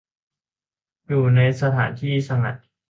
อยู่ในสถานที่สงัด